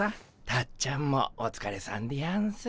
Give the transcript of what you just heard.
たっちゃんもおつかれさんでやんす。